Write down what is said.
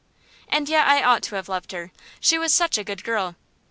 And yet I ought to have loved her; she was such a good girl.